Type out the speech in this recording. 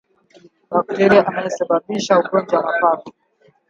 Bakteria anayesababisha ugonjwa wa mapafu